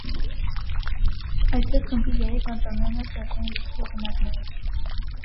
Այդպես խմբի երեք անդամներն էլ դարձան երգի հեղինակները։